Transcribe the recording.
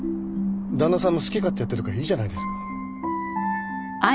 旦那さんも好き勝手やってるからいいじゃないですか。